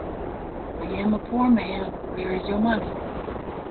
I am a poor man, where is your money?